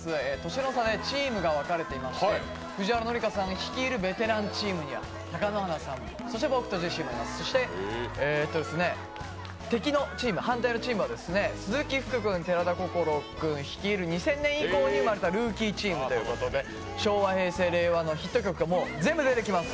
年の差でチームが分かれていまして、藤原紀香さん率いるベテランチームには貴乃花さん、そして僕とジェシー、そして敵のチーム、反対のチームは鈴木福君、寺田心君率いる２０００年以降に生まれたルーキーチームということで昭和、平成、令和のヒット曲が全部出てきます。